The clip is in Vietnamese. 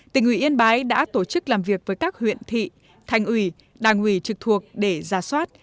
tỉnh ủy yên bái đã tổ chức làm việc với các huyện thị thành ủy đảng ủy trực thuộc để ra soát